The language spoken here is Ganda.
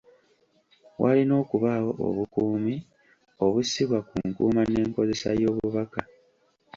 Walina okubaawo obukuumi obussibwa ku nkuuma n'enkozesa y'obubaka.